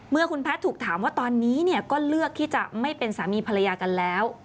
เมื่อคุณแพทย์ถูกถามว่าตอนนี้ก็เลือกที่จะไม่เป็นสามีภรรยากันแล้ว